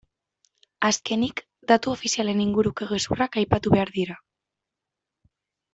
Azkenik, datu ofizialen inguruko gezurrak aipatu behar dira.